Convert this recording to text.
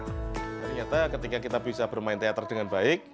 ternyata ketika kita bisa bermain teater dengan baik